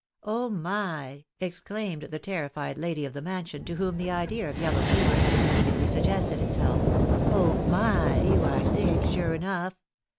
" Oh my !" exclaimed the terrified lady of the mansion, to whom the idea of yellow fever had immediately suggested itself, —" oh my ! you are sick, sure enough